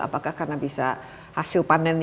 apakah karena bisa hasil panennya lebih tinggi